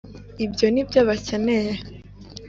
ibyo nibyo bakeneye